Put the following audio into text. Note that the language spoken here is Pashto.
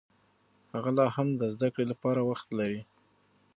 هغه لا هم د زده کړې لپاره وخت لري.